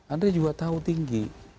andri juga tahu tinggi